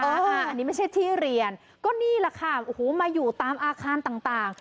อันนี้ไม่ใช่ที่เรียนก็นี่แหละค่ะโอ้โหมาอยู่ตามอาคารต่าง